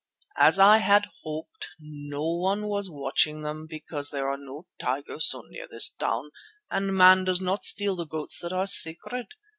As I had hoped, no one was watching them because there are no tigers so near this town, and man does not steal the goats that are sacred.